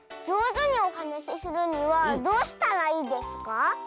じょうずにおはなしするにはどうしたらいいですか？